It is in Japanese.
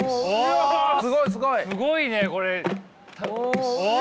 すごいねこれ！